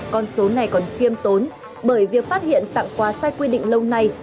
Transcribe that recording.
con số này còn khiêm tốn bởi việc phát hiện tặng quà sai quy định lâu nay